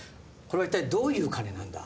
これは一体どういう金なんだ？